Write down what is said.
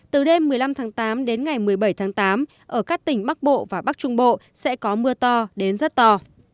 từ đêm một mươi năm tháng tám đến ngày một mươi bảy tháng tám ở các tỉnh bắc bộ và bắc trung bộ sẽ có mưa to đến rất to